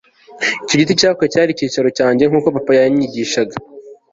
icyo giti cya oak cyari icyicaro cyanjye nkuko papa yanyigishaga